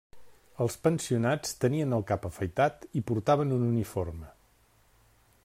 Els pensionats tenien el cap afaitat i portaven un uniforme.